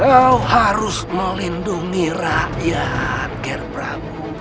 kau harus melindungi rakyat ger prabu